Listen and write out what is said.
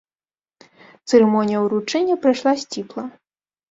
Цырымонія ўручэння прайшла сціпла.